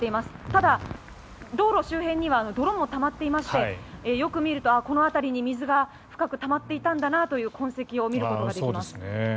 ただ、道路周辺には泥もたまっていましてよく見ると、この辺りに水が深くたまっていたんだなという痕跡を見ることができます。